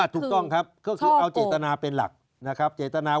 ถูกต้องครับเขาเอาเจตนาเป็นหลักเจตนา